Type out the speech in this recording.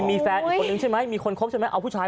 มีแฟนอีกคนใช่ไหมมีคนคบใช่ไหม